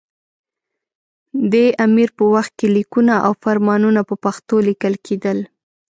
دې امیر په وخت کې لیکونه او فرمانونه په پښتو لیکل کېدل.